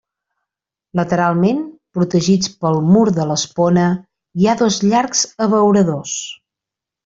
Lateralment, protegits pel mur de l'espona, hi ha dos llargs abeuradors.